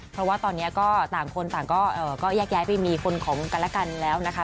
เพราะว่าตอนนี้ก็ต่างคนต่างก็แยกย้ายไปมีคนของกันและกันแล้วนะคะ